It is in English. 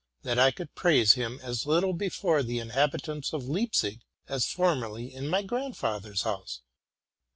246 TRUTH AND FICTION could praise him as little before the inhabitants of Leipzig as formerly in my grandfather's house.